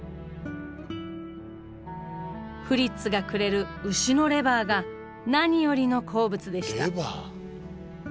フリッツがくれる牛のレバーが何よりの好物でした。